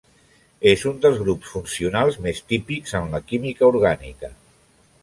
És un dels grups funcionals més típics en la química orgànica.